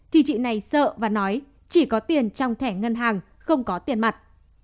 thì chị này sợ và nói chỉ có tiền trong thẻ ngân hàng không có tiền mặt